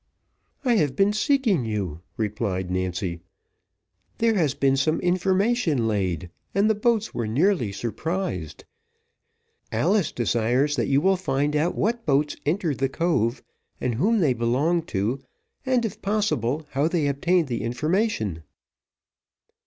"I have been seeking you," replied Nancy. "There has been some information laid, and the boats were nearly surprised. Alice desires that you will find out what boats entered the cove, whom they belonged to, and, if possible, how they obtained the information."